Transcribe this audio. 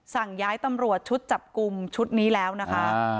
สั่งย้ายตำรวจชุดจับกลุ่มชุดนี้แล้วนะคะ